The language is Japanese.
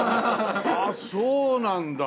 あっそうなんだ。